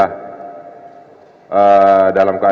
mendinggal dunia semua